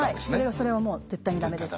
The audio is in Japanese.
はいそれはもう絶対にダメです。